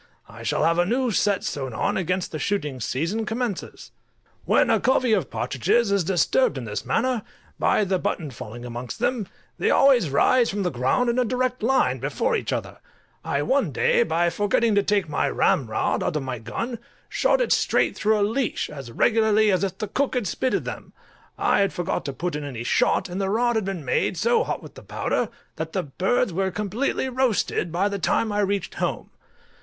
I shall have a new set sewed on against the shooting season commences. When a covey of partridges is disturbed in this manner, by the button falling amongst them, they always rise from the ground in a direct line before each other. I one day, by forgetting to take my ramrod out of my gun, shot it straight through a leash, as regularly as if the cook had spitted them. I had forgot to put in any shot, and the rod had been made so hot with the powder, that the birds were completely roasted by the time I reached home.